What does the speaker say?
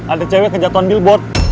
ada cewek kejatuhan billboard